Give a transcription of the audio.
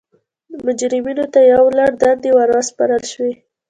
مجرمینو ته یو لړ دندې ور وسپارل شوې.